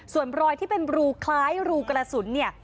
ส่วนรอยที่เป็นรูคล้ายรูกระสุนเนี่ย